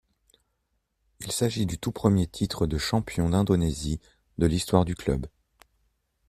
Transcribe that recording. Il s'agit du tout premier titre de champion d'Indonésie de l'histoire du club.